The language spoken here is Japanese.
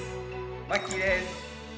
マッキーです。